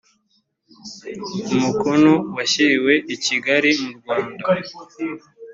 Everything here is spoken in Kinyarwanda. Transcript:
umukono washyiriwe i kigali mu rwanda.